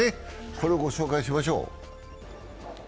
これをご紹介しましょう。